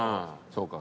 そうか。